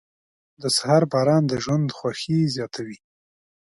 • د سهار باران د ژوند خوښي زیاتوي.